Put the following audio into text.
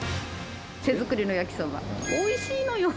手作りの焼きそば、おいしいのよ。